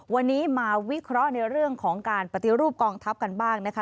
วันนี้มาวิเคราะห์ในเรื่องของการปฏิรูปกองทัพกันบ้างนะคะ